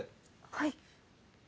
はい